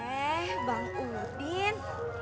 eh bang udin